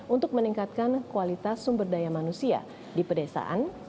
untuk meningkatkan kualitas sumber daya manusia di pedesaan